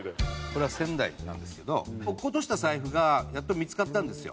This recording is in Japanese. これは仙台なんですけど落っことした財布がやっと見付かったんですよ。